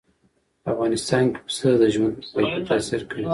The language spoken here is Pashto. په افغانستان کې پسه د ژوند په کیفیت تاثیر کوي.